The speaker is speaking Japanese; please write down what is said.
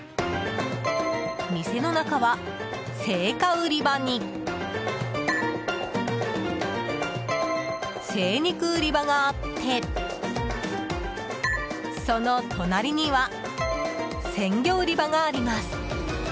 店の中は、青果売り場に精肉売り場があってその隣には鮮魚売り場があります。